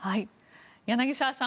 柳澤さん